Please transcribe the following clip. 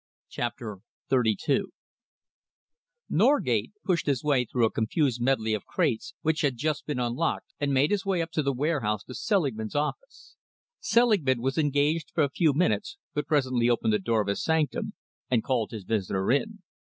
CHAPTER XXXII Norgate pushed his way through a confused medley of crates which had just been unloaded and made his way up the warehouse to Selingman's office. Selingman was engaged for a few minutes but presently opened the door of his sanctum and called his visitor in.